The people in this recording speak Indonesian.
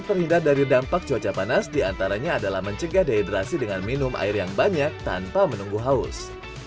terhindar dari dampak cuaca panas diantaranya adalah mencegah dehidrasi dengan minum air yang banyak tanpa menunggu haus